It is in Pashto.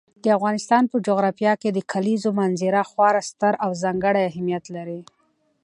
د افغانستان په جغرافیه کې د کلیزو منظره خورا ستر او ځانګړی اهمیت لري.